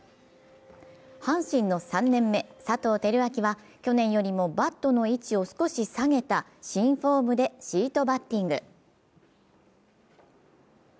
阪神の３年目・佐藤輝明は去年よりもバットの位置を少し下げた新フォームでシートバッティング。